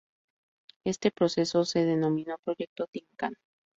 Este proceso se denominó Proyecto Tin Can.